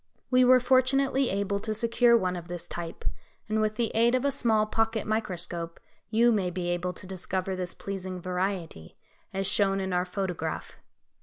We were fortunately able to secure one of this type; and with the aid of a small pocket microscope, you may be able to discover this pleasing variety, as shown in our photograph.